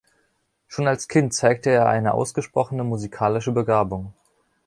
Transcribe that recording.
Schon als Kind zeigte er eine ausgesprochene musikalische Begabung.